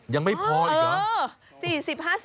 ยังไม่พออีกเหรอ